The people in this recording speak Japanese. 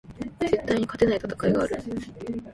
絶対に勝てない戦いがある